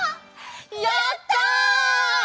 やった！